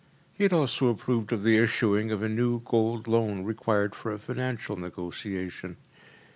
He had also approved of the issuing of a new gold loan required for a financial negotiation.